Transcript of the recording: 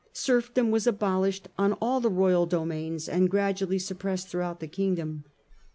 Serfdom was abolished on all the royal domains and gradually suppressed throughout the Kingdom.